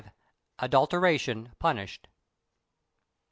ADULTERATION PUNISHED.